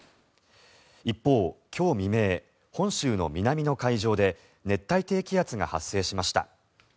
一方、今日未明本州の南の海上で熱帯低気圧が発生しました。